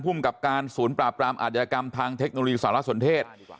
ภูมิกับการศูนย์ปราบรามอาธิกรรมทางเทคโนโลยีสารสนเทศ